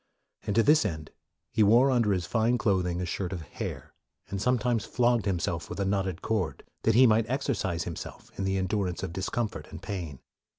And to this end, he wore under his fine clothing a shirt of hair, and sometimes flogged himself with a knotted cord, that he might exercise him self in the endurance of discomfort and pain.